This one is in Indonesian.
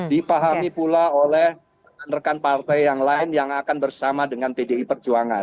dipahami pula oleh rekan rekan partai yang lain yang akan bersama dengan pdi perjuangan